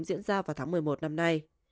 diễn ra vào tháng một mươi một năm nay